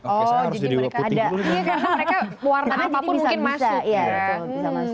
oh jadi mereka warna apapun bisa masuk